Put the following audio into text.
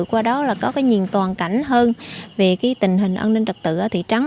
qua đó là có cái nhìn toàn cảnh hơn về cái tình hình an ninh trật tự ở thị trấn